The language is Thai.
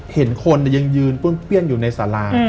เห็นคนยังยืนป้วนเปี้ยนอยู่ในสารา